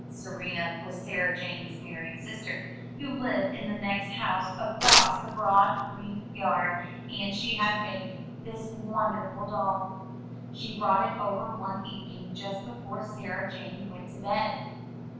Serena was Sarah Jane's married sister, who lived in the next house across the broad, green yard, and she had made this won derful doll. She brought it over one evening just before Sarah Jane went to bed.